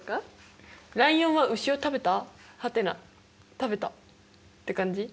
「食べた」って感じ？